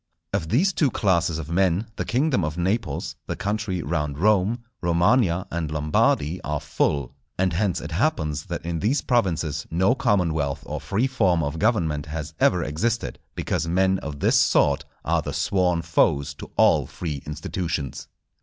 Of these two classes of men the kingdom of Naples, the country round Rome, Romagna, and Lombardy are full; and hence it happens that in these provinces no commonwealth or free form of government has ever existed; because men of this sort are the sworn foes to all free institutions.